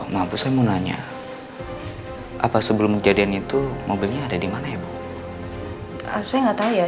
mampu saya mau nanya apa sebelum kejadian itu mobilnya ada di mana ibu saya nggak tahu ya